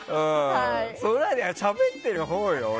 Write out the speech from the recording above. しゃべってるほうよ、俺。